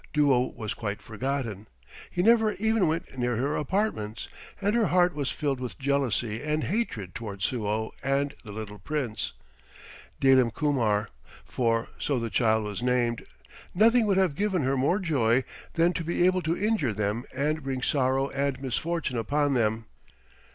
Duo was quite forgotten. He never even went near her apartments, and her heart was filled with jealousy and hatred toward Suo and the little prince Dalim Kumar, for so the child was named. Nothing would have given her more joy than to be able to injure them and bring sorrow and misfortune upon them.